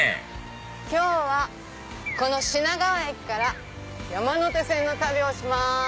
今日はこの品川駅から山手線の旅をします。